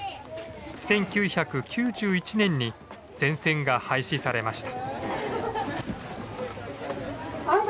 １９９１年に全線が廃止されました。